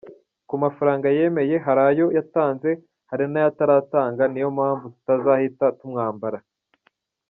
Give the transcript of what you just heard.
Ku mafaranga yemeye hari ayo yatanze hari n’ayo ataratanga niyo mpamvu tutazahita tumwambara.